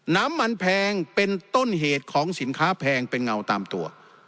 น้ำมันแพงเป็นต้นเหตุของสินค้าแพงเป็นเงาตามตัว